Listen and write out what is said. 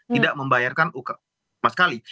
tidak membayarkan sama sekali